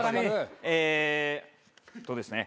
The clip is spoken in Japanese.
えっとですね。